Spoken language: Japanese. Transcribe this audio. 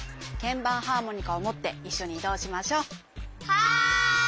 はい！